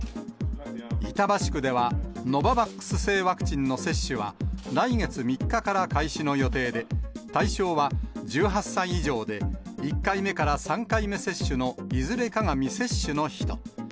板橋区では、ノババックス製ワクチンの接種は、来月３日から開始の予定で、対象は１８歳以上で、１回目から３回目接種のいずれかが未接種の人。